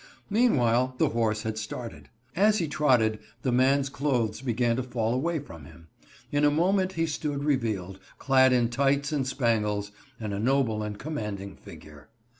Meanwhile the horse had started. As he trotted the man's clothes began to fall away from him. In a moment he stood revealed, clad in tights and spangles, and a noble and commanding figure.